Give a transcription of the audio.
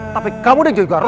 tapi kamu dan juga rock